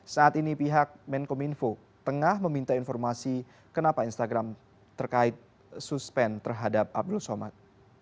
saat ini pihak menkom info tengah meminta informasi kenapa instagram terkait suspen terhadap abdul somad